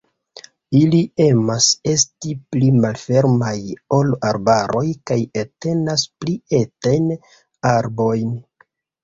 Ili emas esti pli malfermaj ol arbaroj kaj entenas pli etajn arbojn.